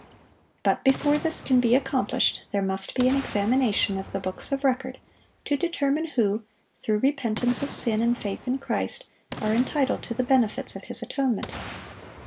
But before this can be accomplished, there must be an examination of the books of record to determine who, through repentance of sin and faith in Christ, are entitled to the benefits of His atonement.